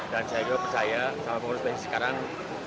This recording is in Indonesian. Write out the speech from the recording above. dan saya juga percaya sama pengurus pengurus sekarang